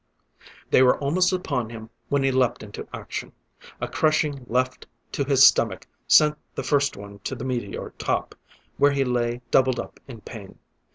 They were almost upon him when he leaped into action. A crushing left to his stomach sent the first one to the meteor top, where he lay doubled up in pain.